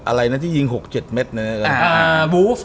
อะไรนะที่ยิง๖๗เมตร